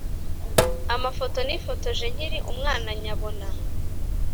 amafoto nifotoje nkiri umwana nyabona